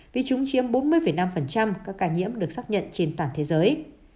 vì chúng chiếm bốn mươi năm các ca nhiễm được xác nhận trên toàn thế giới